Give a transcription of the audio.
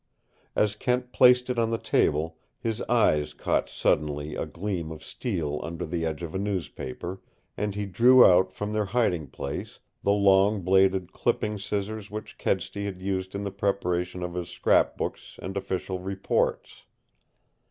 As Kent placed it on the table, his eyes caught suddenly a gleam of steel under the edge of a newspaper, and he drew out from their hiding place the long bladed clipping scissors which Kedsty had used in the preparation of his scrap books and official reports.